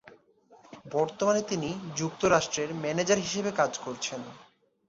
বর্তমানে তিনি যুক্তরাষ্ট্রের ম্যানেজার হিসেবে কাজ করছেন।